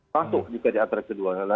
masuk juga diantara kedua negara